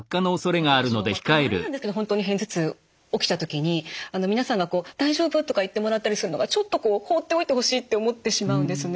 私もたまになんですけど本当に片頭痛起きた時に皆さんが「大丈夫？」とか言ってもらったりするのがちょっと放っておいてほしいって思ってしまうんですね。